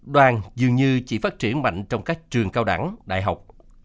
đoàn dường như chỉ phát triển mạnh trong các trường cao đẳng đại học